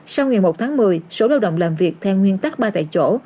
sau ngày một tháng một mươi số lao động làm việc theo nguyên tắc ba tại chỗ